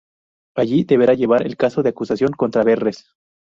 Allí deberá llevar el caso de acusación contra Verres.